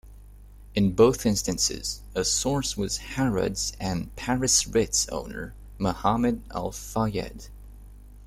In both instances, a source was Harrod's and Paris Ritz owner Mohammed Al-Fayed.